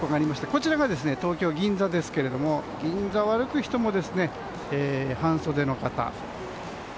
こちらが東京・銀座ですけども銀座を歩く人も半袖の方。